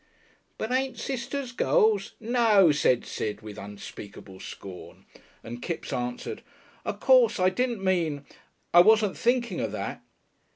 "But ain't sisters girls?" "N eaow!" said Sid, with unspeakable scorn. And Kipps answered, "Of course. I didn't mean I wasn't thinking of that."